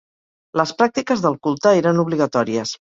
Les pràctiques del culte eren obligatòries.